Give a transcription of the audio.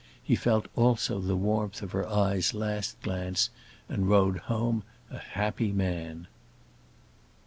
He felt also the warmth of her eyes' last glance, and rode home a happy man.